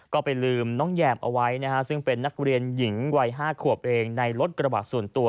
ก็ไปลืมน้องแยมเอาไว้นะฮะซึ่งเป็นนักเรียนหญิงวัย๕ขวบเองในรถกระบะส่วนตัว